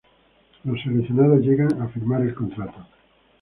Los seleccionados llegan a firmar el contrato.